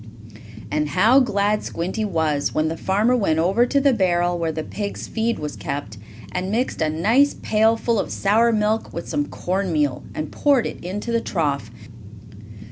And how glad Squinty was when the farmer went over to the barrel, where the pigs' feed was kept, and mixed a nice pailful of sour milk with some corn meal, and poured it into the trough.